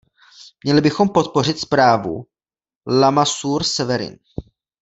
Měli bychom podpořit zprávu Lamassoure/Severin.